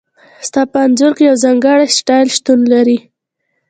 ستا په انځور کې یو ځانګړی سټایل شتون لري